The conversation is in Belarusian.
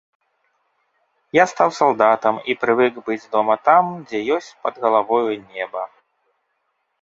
Я стаў салдатам і прывык быць дома там, дзе ёсць пад галавою неба.